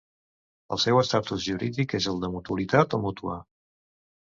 El seu estatus jurídic és el de mutualitat o mútua.